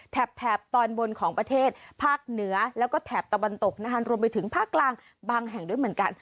แถบตอนบนของประเทศภาคเหนือแล้วก็แถบตะวันตกนะคะรวมไปถึงภาคกลางบางแห่งด้วยเหมือนกัน